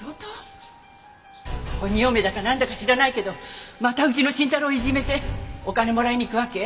鬼嫁だかなんだか知らないけどまたうちの伸太郎をいじめてお金もらいに行くわけ？